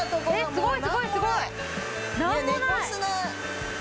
すごい！